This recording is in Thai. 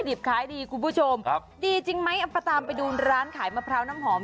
ดิบขายดีคุณผู้ชมครับดีจริงไหมเอาไปตามไปดูร้านขายมะพร้าวน้ำหอม